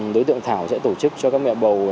đối tượng thảo sẽ tổ chức cho các mẹ bầu